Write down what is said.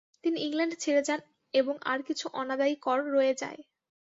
তিনি ইংল্যান্ড ছেড়ে যান এবং আর কিছু অনাদায়ী কর রয়ে যায়।